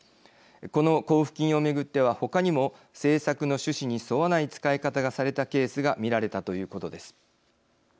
この交付金を巡ってはほかにも政策の趣旨に沿わない使い方がされたケースが見られたということです。